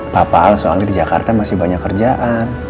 papa al soalnya di jakarta masih banyak kerjaan